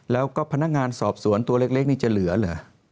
แล้วก็พนักงานสอบสวนตัวเล็กนี่จะเหลือเหรอ